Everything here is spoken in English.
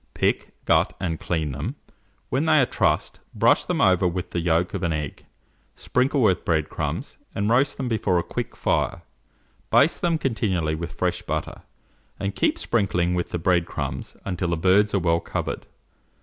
Pick, gut, and clean them; when they are trussed, brush them over with the yolk of an egg; sprinkle with bread crumbs, and roast them before a quick fire; baste them continually with fresh butter, and keep sprinkling with the bread crumbs until the birds are well covered.